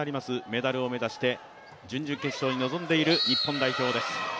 メダルを目指して準々決勝に臨んでいる日本代表です。